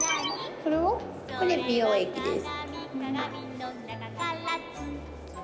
これ美容液です。